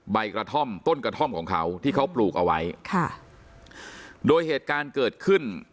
ใบกระท่อมต้นกระท่อมของเขาที่เขาปลูกเอาไว้ค่ะโดยเหตุการณ์เกิดขึ้น